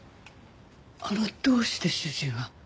あのどうして主人は？